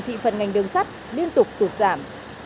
thì phần ngành đường sắt liên tục tụt giảm